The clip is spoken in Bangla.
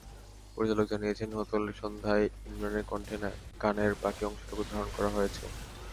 পরিচালক জানিয়েছেন, গতকাল সন্ধ্যায় ইমরানের কন্ঠে গানের বাকি অংশটুকু ধারণ করা হয়েছে।